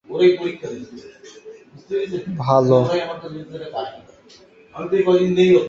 প্রথম থেকেই ব্যান্ডটির গানের কথা, কনসার্টে শ্রোতাদের উন্মত্ত আচরণ বিভিন্ন বিতর্কের সৃষ্টি করে।